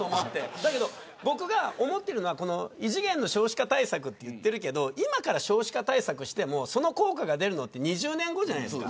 だけど僕が思っているのは異次元の少子化対策と言っているけど今から少子化対策をしてもその効果が出るのって２０年後じゃないですか。